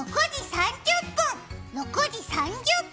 ６時３０分！